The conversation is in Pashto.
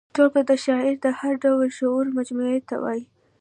ټولګه د شاعر د هر ډول شعرو مجموعې ته وايي.